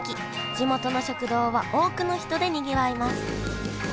地元の食堂は多くの人でにぎわいます。